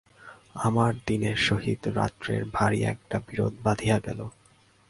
আমার দিনের সহিত রাত্রের ভারি একটা বিরোধ বাধিয়া গেল।